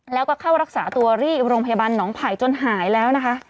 แล้วก็เข้ารักษาตัวที่โรงพยาบาลหนองไผ่จนหายแล้วนะคะ